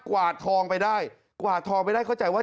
วาดทองไปได้กวาดทองไปได้เข้าใจว่า